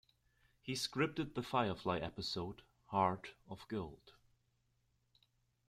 He scripted the Firefly episode "Heart of Gold".